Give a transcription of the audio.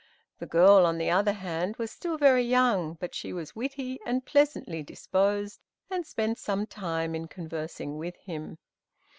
The girl, on the other hand, was still very young, but she was witty and pleasantly disposed, and spent some time in conversing with him.